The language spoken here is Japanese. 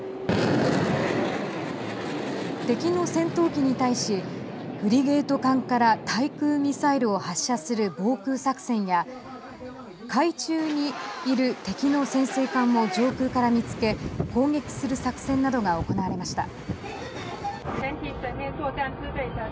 敵の戦闘機に対しフリゲート艦から対空ミサイルを発射する防空作戦や海中にいる敵の潜水艦を上空から見つけ、攻撃する作戦などが行われました。